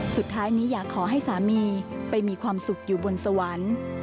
สุดท้ายนี้อยากขอให้สามีไปมีความสุขอยู่บนสวรรค์